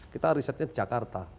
kita risetnya di jakarta